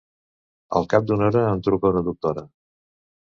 Al cap d’una hora, em truca una doctora.